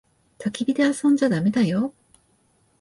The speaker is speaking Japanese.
たき火で遊んじゃだめだよ。